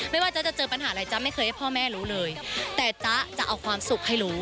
ไม่ว่าจ๊ะจะเจอปัญหาอะไรจ๊ะไม่เคยให้พ่อแม่รู้เลยแต่จ๊ะจะเอาความสุขให้รู้